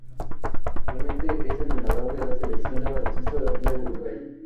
Actualmente es entrenador de la Selección de baloncesto de Uruguay.